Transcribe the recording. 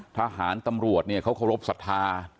ทหารตำรวจเขาเคารพศรัทธา